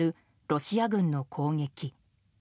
ロシア軍の攻撃。